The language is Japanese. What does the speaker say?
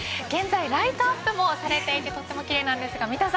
現在ライトアップもされていて、とても奇麗です。